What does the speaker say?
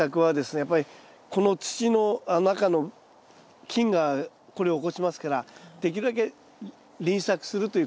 やっぱりこの土の中の菌がこれを起こしますからできるだけ輪作するということとかですね